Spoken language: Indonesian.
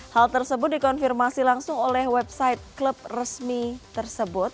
hal tersebut dikonfirmasi langsung oleh website klub resmi tersebut